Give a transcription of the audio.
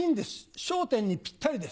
笑点にぴったりです。